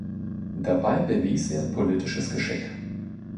Dabei bewies er politisches Geschick.